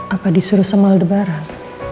apa disuruh sama aldebaran